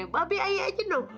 babi ayah aja dong